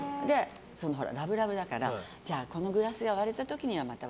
ラブラブだからこのグラスが割れた時には。